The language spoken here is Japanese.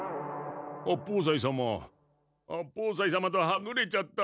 八方斎様八方斎様とはぐれちゃった。